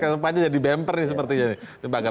sepertinya jadi bemper ini sepertinya